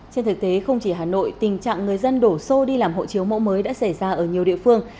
trên thực tế không chỉ hà nội tình trạng người dân đổ xô đi làm hộ chiếu mẫu mới đã xảy ra ở nhiều địa phương